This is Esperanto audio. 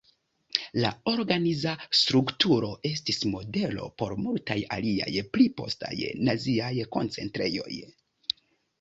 La organiza strukturo estis modelo por multaj aliaj pli postaj naziaj koncentrejoj.